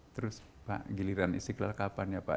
terus pak giliran istiqlal kapan ya pak